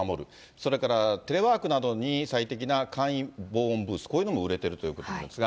それからテレワークなどに最適な簡易防音ブース、こういうのも売れているということですが。